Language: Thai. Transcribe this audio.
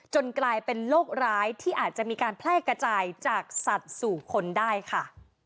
กลายเป็นโรคร้ายที่อาจจะมีการแพร่กระจายจากสัตว์สู่คนได้ค่ะ